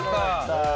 ああ。